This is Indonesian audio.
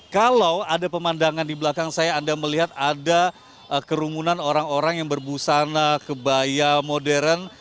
kalau ada pemandangan di belakang saya anda melihat ada kerumunan orang orang yang berbusana kebaya modern